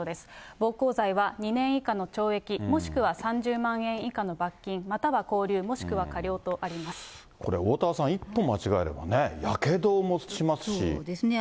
暴行罪は２年以下の懲役もしくは３０万円以下の罰金、または拘留、これ、おおたわさん、そうですね。